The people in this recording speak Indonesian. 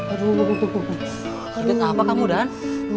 idan apa kamu dan